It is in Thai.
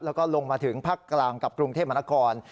แล้วก็ลงมาถึงภาคกลางกับกรุงเทพมนาคม